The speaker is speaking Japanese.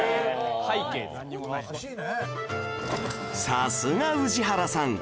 さすが宇治原さん！